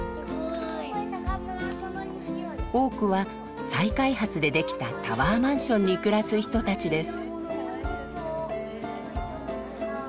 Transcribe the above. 多くは再開発で出来たタワーマンションに暮らす人たちです。